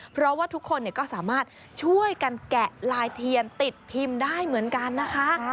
เพราะว่าทุกคนก็สามารถช่วยกันแกะลายเทียนติดพิมพ์ได้เหมือนกันนะคะ